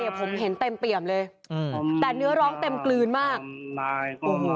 ผมเห็นเต็มเปี่ยมเลยอืมแต่เนื้อร้องเต็มกลืนมากตายโอ้โห